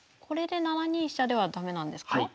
これで７二飛車では駄目なんですか？